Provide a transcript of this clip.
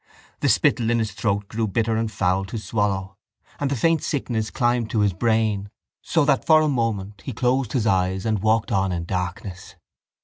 The spittle in his throat grew bitter and foul to swallow and the faint sickness climbed to his brain so that for a moment he closed his eyes and walked on in darkness.